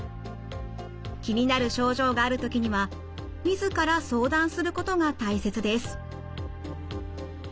気になる症状がある時には自ら相談することが大切です。